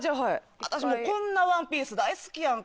私もこんなワンピース大好きやんか。